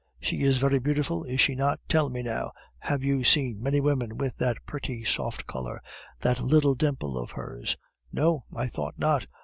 "She is very beautiful, is she not? Tell me, now, have you seen many women with that pretty soft color that little dimple of hers? No, I thought not.